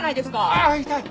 あっ痛い。